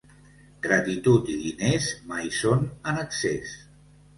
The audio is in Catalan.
Gratitud i diners mai són en excés.